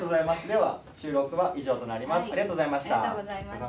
では収録は以上となります。